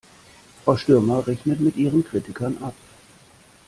Frau Stürmer rechnet mit ihren Kritikern ab.